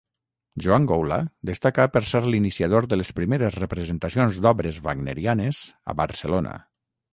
Joan Goula destaca per ser l'iniciador de les primeres representacions d'obres wagnerianes a Barcelona.